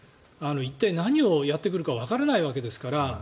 一体何をやってくるかわからないわけですから。